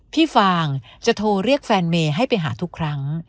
ฟางจะโทรเรียกแฟนเมย์ให้ไปหาทุกครั้ง